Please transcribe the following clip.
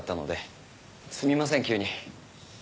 すみません急に。